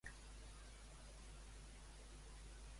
Quin és el cost real de la monarquia espanyola?